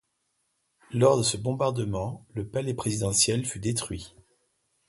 Lors de ce bombardement le palais présidentiel fut détruit.